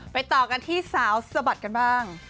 ต่อกันที่สาวสะบัดกันบ้าง